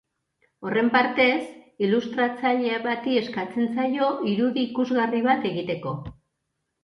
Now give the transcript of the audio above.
Horren partez, ilustratzaile bati eskatzen zaio irudi ikusgarri bat egiteko.